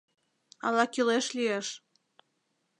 Ала кӱлеш лиеш.